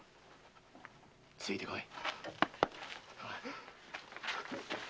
付いてこい。